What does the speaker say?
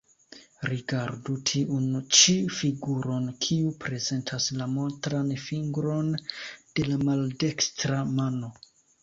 Rigardu tiun ĉi figuron, kiu prezentas la montran fingron de la maldekstra mano.